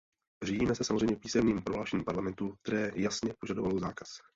Řídíme se samozřejmě písemným prohlášením Parlamentu, které jasně požadovalo zákaz.